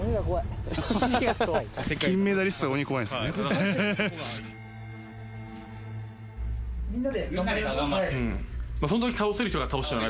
金メダリストが鬼が怖いんですか。